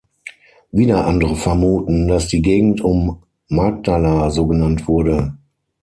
Wieder andere vermuten, das die Gegend um Magdala so genannt wurde.